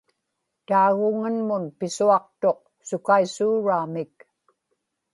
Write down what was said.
taaguŋanmun pisuaqtuq sukaisuuraamik